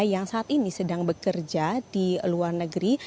yang saat ini sedang bekerja di luar negeri